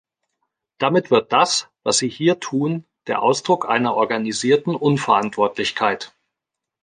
Damit wird das, was Sie hier tun, der Ausdruck einer organisierten Unverantwortlichkeit.